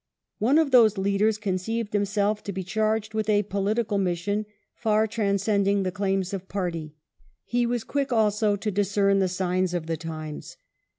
One of those leadei s conceived himself to be charged with a political mission, far transcending the claims of party. He was quick, also, to dis cern the signs of the times.